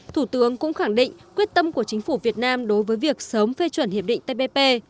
thủ tướng cũng khẳng định quyết tâm của chính phủ việt nam đối với việc sớm phê chuẩn hiệp định tpp